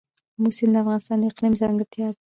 آمو سیند د افغانستان د اقلیم ځانګړتیا ده.